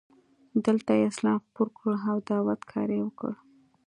دلته یې اسلام خپور کړ او د دعوت کار یې وکړ.